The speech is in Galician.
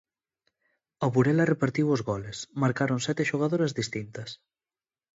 O Burela repartiu os goles: marcaron sete xogadoras distintas.